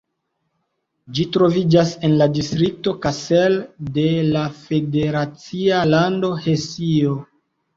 Ĝi troviĝas en la distrikto Kassel de la federacia lando Hesio.